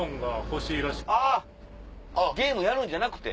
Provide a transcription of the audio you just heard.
ゲームやるんじゃなくて。